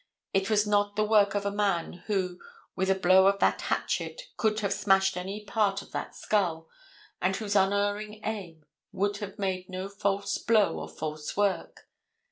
It was not the work of a man who, with a blow of that hatchet, could have smashed any part of that skull, and whose unerring aim would have made no false blow or false work.